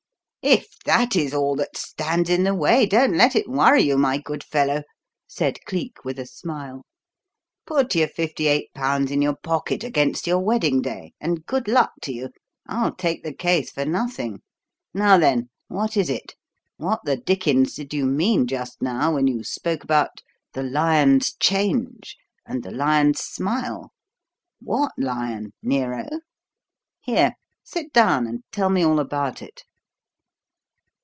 "If that is all that stands in the way, don't let it worry you, my good fellow," said Cleek, with a smile. "Put your fifty eight pounds in your pocket against your wedding day, and good luck to you. I'll take the case for nothing. Now then, what is it? What the dickens did you mean just now when you spoke about 'the lion's change' and 'the lion's smile'? What lion Nero? Here, sit down and tell me all about it."